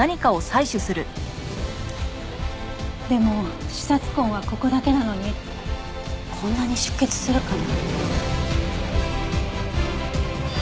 でも刺殺痕はここだけなのにこんなに出血するかな。